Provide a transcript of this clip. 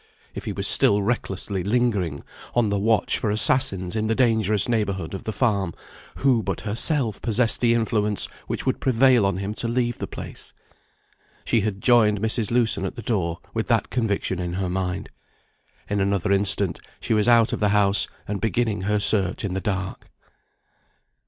If he was still recklessly lingering, on the watch for assassins in the dangerous neighbourhood of the farm, who but herself possessed the influence which would prevail on him to leave the place? She had joined Mrs. Lewson at the door with that conviction in her mind. In another instant, she was out of the house, and beginning her search in the dark.